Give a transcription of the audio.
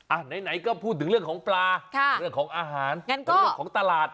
อ่าไหนก็พูดถึงเรื่องของปลาค่ะเรื่องของอาหารแล้วก็ของตลาด